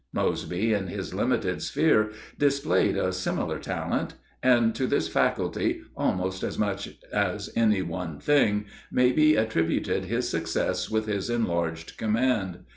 Mosby, in his limited sphere, displayed a similar talent, and to this faculty, almost as much as any one thing, may be attributed his success with his enlarged command.